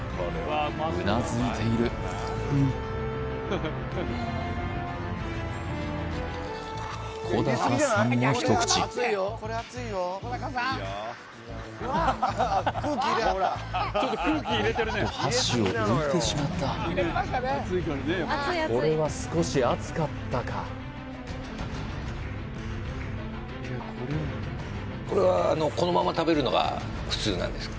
うなずいている小高さんも一口おっと箸を置いてしまったこれは少し熱かったかこれはこのまま食べるのが普通なんですか？